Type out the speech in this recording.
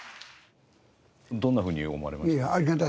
どんなふうに思われました？